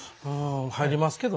入りますけどね。